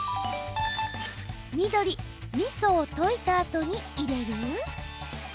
緑・みそを溶いたあとに入れる？